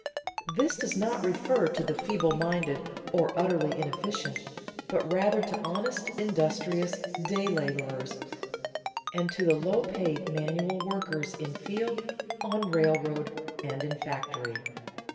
_ This does not refer to the feeble minded or utterly inefficient, but rather to honest, industrious, "day laborers," and to the low paid manual workers in field, on railroad, and in factory.